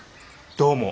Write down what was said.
どうも。